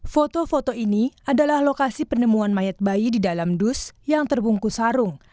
foto foto ini adalah lokasi penemuan mayat bayi di dalam dus yang terbungkus sarung